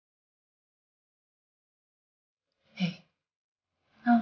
baru masalah papa